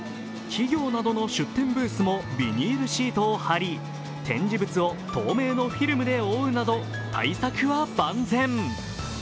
企業などの出展ブースもビニールシートを張り展示物を透明のフィルムで覆うなど対策は万全。